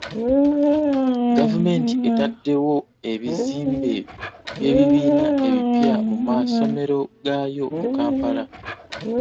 Gavumenti etaddewo ebizimbe by'ebibiina ebipya mu masomero gaayo mu Kampala.